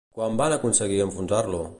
Quan van aconseguir enfonsar-lo?